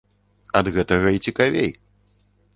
Ад гэтага і цікавей!